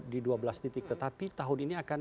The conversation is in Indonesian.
di dua belas titik tetapi tahun ini akan